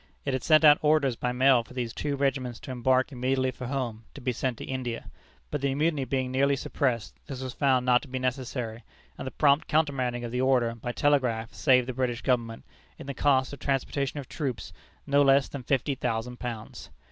It had sent out orders by mail for these two regiments to embark immediately for home, to be sent to India. But the mutiny being nearly suppressed, this was found not to be necessary, and the prompt countermanding of the order by telegraph saved the British Government, in the cost of transportation of troops, not less than fifty thousand pounds.